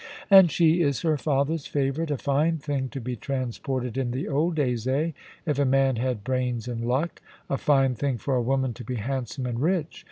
And she is her father's favourite. A fine thing to be transported in the old days, eh ? if a man had brains and luck. A fine thing for a woman to be handsome and rich.